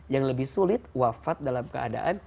yang lebih sulit wafat dalam keadaan